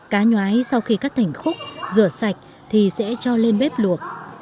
cá nhoái sau khi cắt thành khúc rửa sạch thì sẽ cho lên bếp luộc